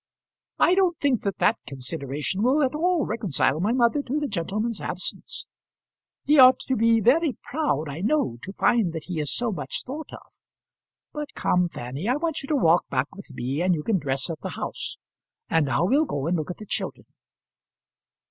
"I don't think that that consideration will at all reconcile my mother to the gentleman's absence. He ought to be very proud, I know, to find that he is so much thought of. But come, Fanny, I want you to walk back with me, and you can dress at the house. And now we'll go and look at the children."